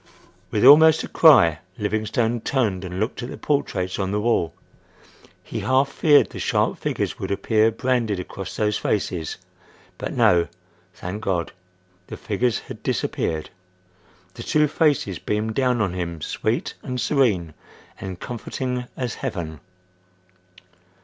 With almost a cry Livingstone turned and looked at the portraits on the wall. He half feared the sharp figures would appear branded across those faces. But no, thank God! the figures had disappeared. The two faces beamed down on him sweet and serene and comforting as heaven.